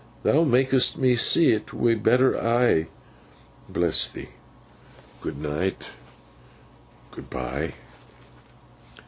Thou mak'st me see it wi' a better eye. Bless thee. Good night. Good bye!